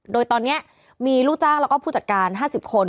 โดยตอนนี้มีลูกจ้างแล้วก็ผู้จัดการ๕๐คน